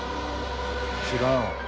知らんわ。